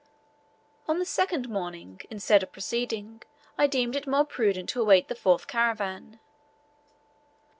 On the second morning, instead of proceeding, I deemed it more prudent to await the fourth caravan.